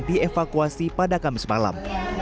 dievakuasi pada kamis malam